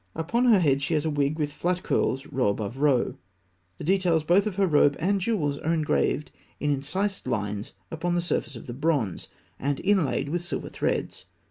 Upon her head she has a wig with flat curls, row above row. The details both of her robe and jewels are engraved in incised lines upon the surface of the bronze, and inlaid with silver threads.